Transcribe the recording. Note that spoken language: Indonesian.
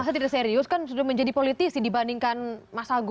saya tidak serius kan sudah menjadi politisi dibandingkan mas agus